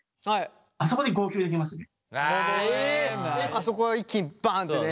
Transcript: あそこは一気にバンってね